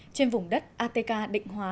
trên vùng đất atk định hóa